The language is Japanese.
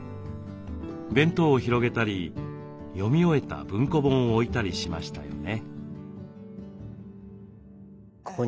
弁当を広げたり読み終えた文庫本を置いたりしましたよね。